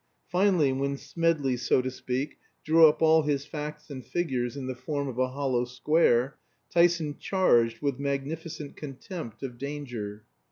Finally, when Smedley, so to speak, drew up all his facts and figures in the form of a hollow square, Tyson charged with magnificent contempt of danger.